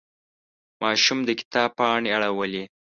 ماشوم د کتاب پاڼې اړولې.